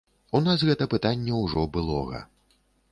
У нас гэта пытанне ўжо былога.